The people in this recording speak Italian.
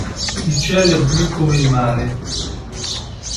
Il cielo è blu come il mare.